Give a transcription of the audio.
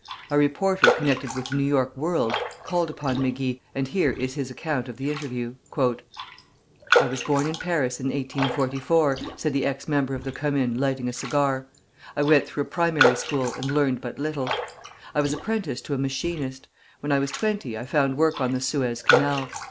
A reporter connected with the New York "World" called upon Mégy, and here is his account of the interview: "'I was born in Paris, in 1844,' said the ex member of the Commune, lighting a cigar; 'I went through a primary school, and learned but little. I was apprenticed to a machinist. When I was twenty I found work on the Suez Canal.